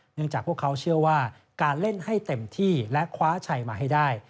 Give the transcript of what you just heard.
จากพวกเขาเชื่อว่าการเล่นให้เต็มที่และคว้าชัยมาให้ได้